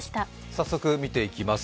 早速見ていきます。